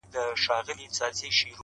پر زکندن دي یادوم جانانه هېر مي نه کې -